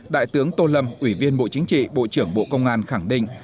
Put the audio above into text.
đại tướng tô lâm ủy viên bộ chính trị bộ trưởng bộ công an khẳng định